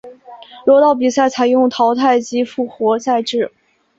柔道比赛采用淘汰及复活赛制。